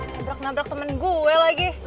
nabrak nabrak temen gue lagi